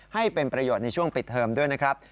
ให้เป็นประโยชน์ในช่วงปิดเทอมด้วยนะครับ